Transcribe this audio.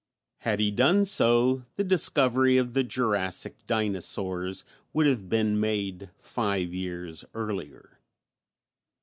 Had he done so the discovery of the "Jurassic Dinosaurs" would have been made five years earlier.